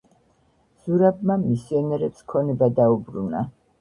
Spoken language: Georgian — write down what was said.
ზურაბმა მისიონერებს ქონება დაუბრუნა.